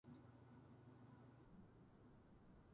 そろそろ寝ようかな